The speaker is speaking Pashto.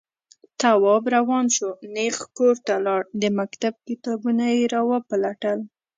تواب روان شو، نېغ کور ته لاړ، د مکتب کتابونه يې راوپلټل.